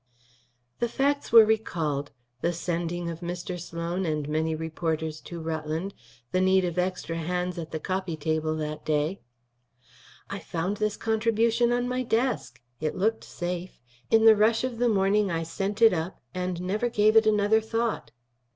The facts were recalled; the sending of Mr. Sloan and many reporters to Rutland; the need of extra hands at the copy table that day. "I found this contribution on my desk. It looked safe. In the rush of the morning I sent it up and never gave it another thought."